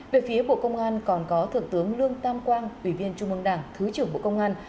về phía bộ công an còn có thượng tướng lương tam quang ủy viên trung mương đảng thứ trưởng bộ công an